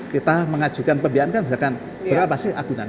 kita mengajukan pembiayaan kan berdasarkan berapa sih agunan